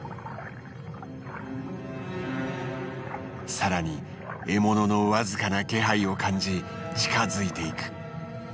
さらに獲物のわずかな気配を感じ近づいていく。